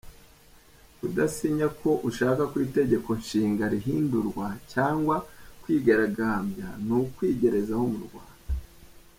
Kudasinya ko ushaka ko itegeko nshinga rihindurwa cyangwa kwigaragambya ni ukwigerezaho mu Rwanda